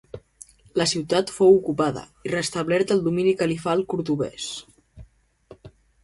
La ciutat fou ocupada i restablert el domini califal cordovès.